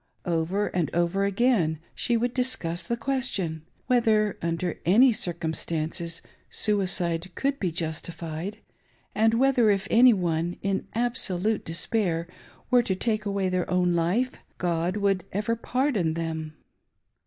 Over and over again she would dis cuss the question — whether under any circumstances suicide could be justified, and whether if any one, in absolute de spair were to take away their own life, God would ever pardon them.